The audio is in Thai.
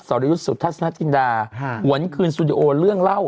รยุทธ์สุทัศนจินดาหวนคืนสตูดิโอเรื่องเล่า